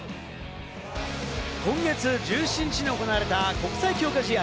今月１７日に行われた国際強化試合。